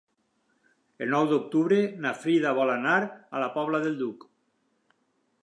El nou d'octubre na Frida vol anar a la Pobla del Duc.